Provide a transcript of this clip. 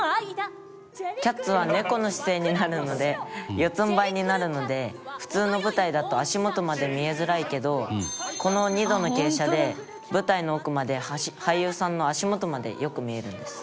「『キャッツ』は猫の姿勢になるので四つんばいになるので普通の舞台だと足元まで見えづらいけどこの２度の傾斜で舞台の奥まで俳優さんの足元までよく見えるんです」